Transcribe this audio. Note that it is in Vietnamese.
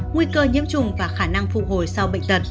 nguy cơ nhiễm trùng và khả năng phục hồi sau bệnh tật